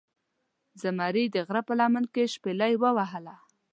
زمرې دغره په لمن کې شپیلۍ وهله